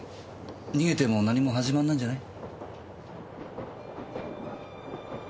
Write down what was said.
逃げても何も始まんないんじゃない？